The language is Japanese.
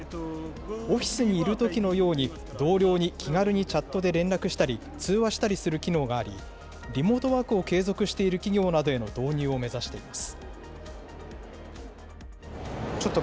オフィスにいるときのように、同僚に気軽にチャットで連絡したり、通話したりする機能があり、リモートワークを継続している企業などへの導入を目指しています。